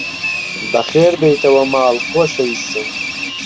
بەخێربێیتەوە ماڵ، خۆشەویستم!